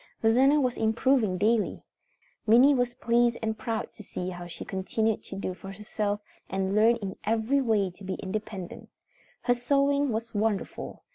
Rosanna was improving daily. Minnie was pleased and proud to see how she continued to do for herself and learn in every way to be independent. Her sewing was wonderful.